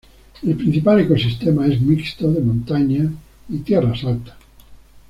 El principal ecosistema es mixto de montaña y tierras altas.